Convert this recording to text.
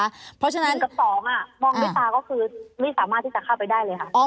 ๑กับ๒มองด้วยตาก็คือไม่สามารถที่จะเข้าไปได้เลยค่ะ